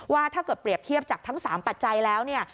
ว่าถ้าเกิดเปรียบเทียบจากทั้ง๓ปัจจัยแล้ว